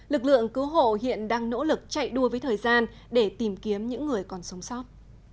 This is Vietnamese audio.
lực lượng cứu hộ hiện đang nỗ lực chạy đua với thời gian để tìm kiếm những người còn sống sót